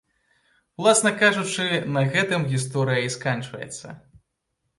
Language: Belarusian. Уласна кажучы, на гэтым гісторыя і сканчаецца.